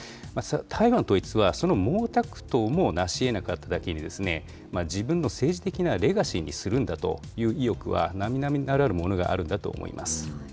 台湾統一は、その毛沢東もなしえなかっただけに、自分の政治的なレガシーにするんだという意欲は、なみなみならぬものがあるんだと思います。